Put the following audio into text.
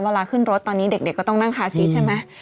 เวลาขึ้นรถตอนนี้เด็กก็ต้องนั่งคาซีสใช่ไหม